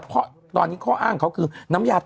เพราะตอนนี้ข้ออ้างเขาคือน้ำยา